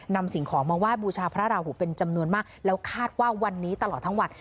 สิ่งของมาไหว้บูชาพระราหูเป็นจำนวนมากแล้วคาดว่าวันนี้ตลอดทั้งวัน